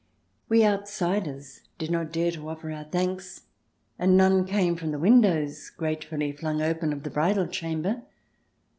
We outsiders did not dare to offer our thanks, and none came from the windows, gratefully flung open, of the bridal chamber.